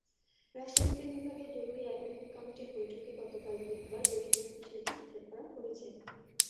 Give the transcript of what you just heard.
রাষ্ট্রবিজ্ঞান বিভাগের জরুরি একাডেমিক কমিটির বৈঠকে গতকাল বুধবার বৈষম্যের বিষয়টি স্বীকার করা হয়েছে।